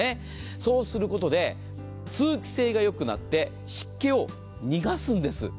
そうすることで通気性が良くなって湿気を逃がすんです。